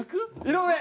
井上！